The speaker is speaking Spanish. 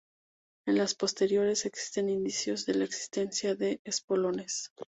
En las posteriores existen indicios de la existencia de espolones.